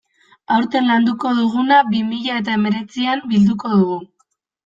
Aurten landuko duguna bi mila eta hemeretzian bilduko dugu.